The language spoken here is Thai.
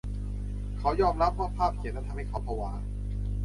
เขายอมรับว่าภาพเขียนนั้นทำให้เขาผวา